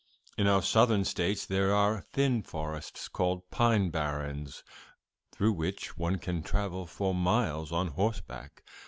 In our Southern States there are thin forests, called pine barrens, through which one can travel for miles on horseback.